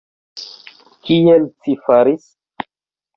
Kiel ci faris?